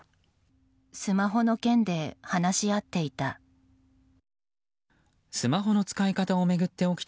スマホの件で話し合っていた。